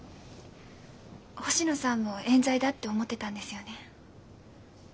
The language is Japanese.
星野さんも冤罪だって思ってたんですよね？